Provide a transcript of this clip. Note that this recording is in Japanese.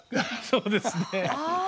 そうですね。